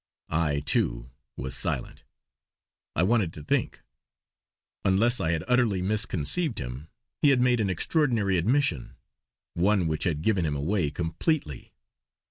I, too, was silent; I wanted to think. Unless I had utterly misconceived him, he had made an extraordinary admission; one which had given him away completely.